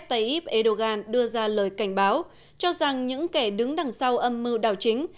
tổng thống recep tayyip erdogan đưa ra lời cảnh báo cho rằng những kẻ đứng đằng sau âm mưu đảo chính